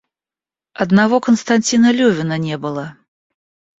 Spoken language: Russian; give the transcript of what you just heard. Одного Константина Левина не было.